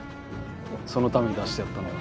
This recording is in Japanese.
そのために出してやったんだ。